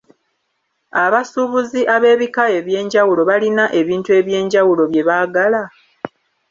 Abasuubuzi ab’ebika eby’enjawulo balina ebintu eby’enjawulo bye baagala?